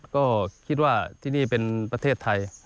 ก็คิดว่าที่นี่เป็นประเทศไทย